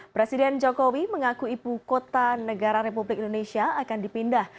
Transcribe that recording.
presiden jokowi mengaku ibu kota negara republik indonesia akan dipindah